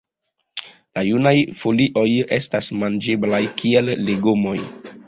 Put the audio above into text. La junaj folioj estas manĝeblaj kiel legomoj.